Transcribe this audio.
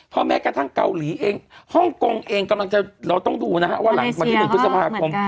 เพราะแม้กระทั่งเกาหลีเองฮ่องกงเองกำลังจะเราต้องดูนะฮะว่าหลังวันที่๑พฤษภาคม